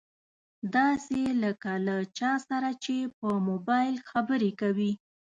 داسې لکه له چا سره چې په مبايل خبرې کوي.